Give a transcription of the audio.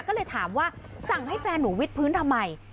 ก็เลยถามว่าสั่งให้แฟนหนูวิทย์พื้นทำไม